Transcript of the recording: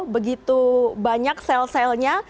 begitu banyak sel selnya